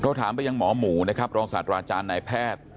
ถามไปยังหมอหมูนะครับรองศาสตราจารย์นายแพทย์